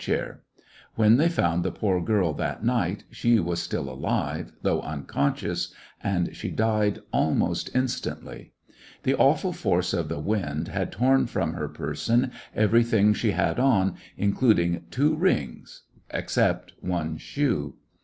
Hard htck ^ecoUections of a The heroine When they found the poor girl that nighty she was still alive, though unconscious, and she died almost instantly. The awful force of the wind had torn from her person everything she had on, including two rings, except one shoe.